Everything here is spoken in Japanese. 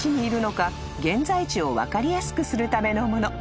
現在地を分かりやすくするためのもの］